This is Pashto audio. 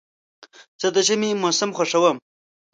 زه د ژمي موسم خوښوم.